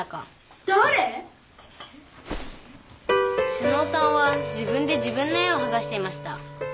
妹尾さんは自分で自分の絵をはがしていました。